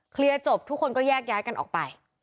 เคลียร์จบทุกคนก็แยกย้ายกันออกไป